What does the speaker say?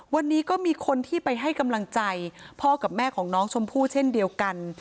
วันนี้ก็มีคนที่ไปให้กำลังใจพ่อกับแม่ของน้องชมพู่เช่นเดียวกัน